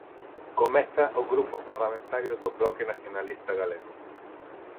Comeza o Grupo Parlamentario do Bloque Nacionalista Galego.